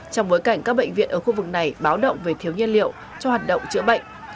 trong bối cảnh các bệnh viện ở khu vực này báo động về thiếu nhiên liệu cho hoạt động chữa bệnh